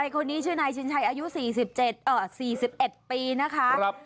คนนี้ชื่อนายชินชัยอายุ๔๑ปีนะคะ